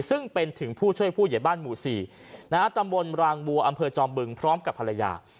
ซึ่งเป็นถึงผู้ช่วยผู้ใหญ่บ้านหมู่๔ตำบลรางบัวอำเภอจอมบึงพร้อมกับภรรยา